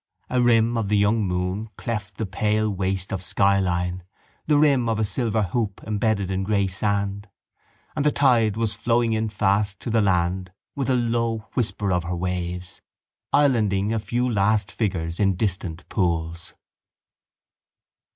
A rim of the young moon cleft the pale waste of skyline, the rim of a silver hoop embedded in grey sand; and the tide was flowing in fast to the land with a low whisper of her waves, islanding a few last figures in distant pools.